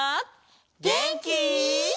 げんき？